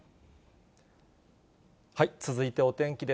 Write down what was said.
続いてお天気です。